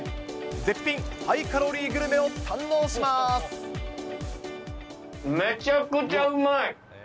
絶品ハイカロリーグルメを堪能しめちゃくちゃうまい。